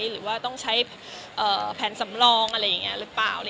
หรือว่าต้องใช้แผนสำรองอะไรอย่างนี้หรือเปล่า